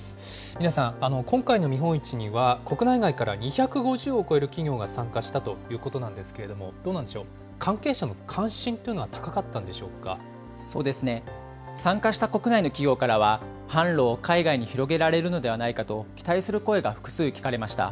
南井さん、今回の見本市には、国内外から２５０を超える企業が参加したということなんですけれども、どうなんでしょう、関係者の関心という参加した国内の企業からは、販路を海外に広げられるのではないかと期待する声が複数聞かれました。